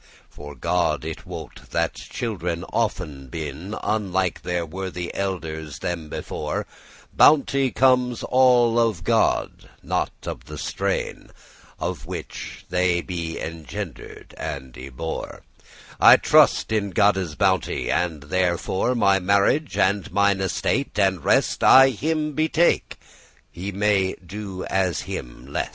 "For God it wot, that children often been Unlike their worthy elders them before, Bounte* comes all of God, not of the strene *goodness Of which they be engender'd and y bore: stock, race I trust in Godde's bounte, and therefore My marriage, and mine estate and rest, I *him betake;* he may do as him lest.